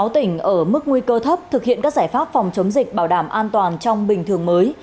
sáu tỉnh ở mức nguy cơ thấp thực hiện các giải pháp phòng chống dịch bảo đảm an toàn trong bình thường mới